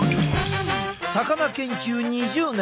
魚研究２０年！